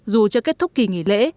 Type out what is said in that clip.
dù chưa kết thúc kỳ nghỉ lễ